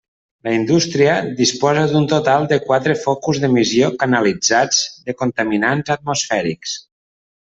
La indústria disposa d'un total de quatre focus d'emissió canalitzats de contaminants atmosfèrics.